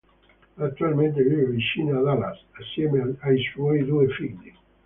Attualmente vive vicino a Dallas assieme ai suoi due figli.